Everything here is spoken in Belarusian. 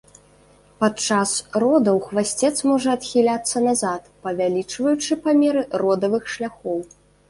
Падчас родаў хвасцец можа адхіляцца назад, павялічваючы памеры родавых шляхоў.